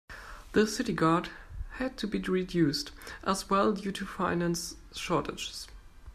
The city guard had to be reduced as well due to finance shortages.